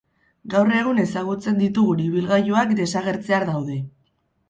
Gaur egun ezagutzen ditugun ibilgailuak desagertzear daude.